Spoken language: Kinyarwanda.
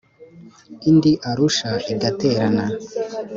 indi arusha igaterana